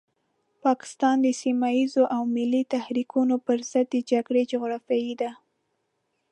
پاکستان د سيمه ييزو او ملي تحريکونو پرضد د جګړې جغرافيې ده.